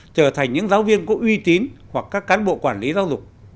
trở thành những giáo viên có uy tín hoặc các cán bộ quản lý giáo dục